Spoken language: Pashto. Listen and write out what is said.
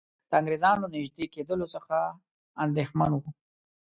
د انګریزانو نیژدې کېدلو څخه اندېښمن وو.